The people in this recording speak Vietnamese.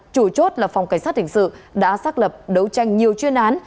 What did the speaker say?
chủ chốt là phòng cảnh sát hình sự đã xác lập đấu tranh nhiều chuyên án